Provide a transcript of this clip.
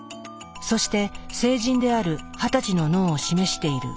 そして成人である二十歳の脳を示している。